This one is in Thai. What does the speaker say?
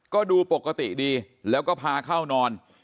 ก็ดูปกติดีแล้วก็พาเข้านอน